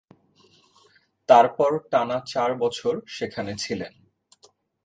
তারপর টানা চার বছর সেখানে ছিলেন।